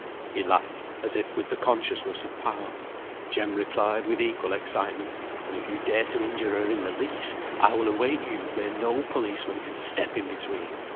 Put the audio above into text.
He laughed, as if with the consciousness of power. Jem replied with equal excitement "And if you dare to injure her in the least, I will await you where no policeman can step in between.